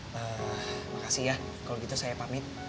makasih ya kalau gitu saya pamit